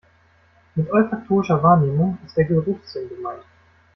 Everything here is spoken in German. Mit olfaktorischer Wahrnehmung ist der Geruchssinn gemeint.